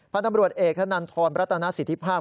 พระนำบริวทรเอกธนันทรบรรตนสิทธิภาค